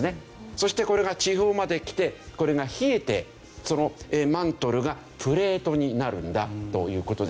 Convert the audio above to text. そしてこれが地表まできてこれが冷えてそのマントルがプレートになるんだという事です。